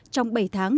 trong bảy tháng